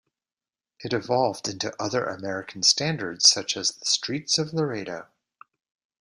It evolved into other American standards such as The Streets of Laredo.